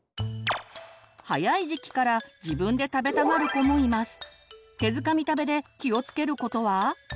早い時期から自分で食べたがる子もいます。